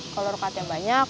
kalau lokat yang banyak